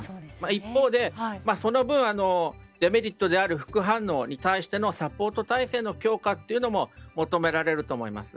一方でその分、デメリットである副反応に対してのサポート体制の強化というのも求められると思います。